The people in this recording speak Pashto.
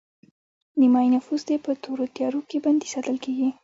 نیمایي نفوس دې په تورو تیارو کې بندي ساتل کیږي